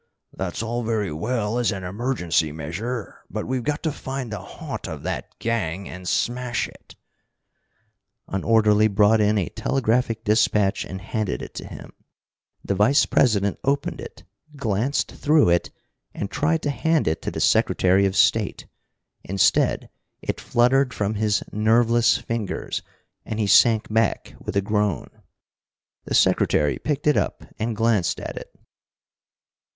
"That's all very well as an emergency measure, but we've got to find the haunt of that gang and smash it!" An orderly brought in a telegraphic dispatch and handed it to him. The Vice president opened it, glanced through it, and tried to hand it to the Secretary of State. Instead, it fluttered from his nerveless fingers, and he sank back with a groan. The Secretary picked it up and glanced at it.